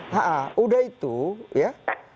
kalau sudah itu ya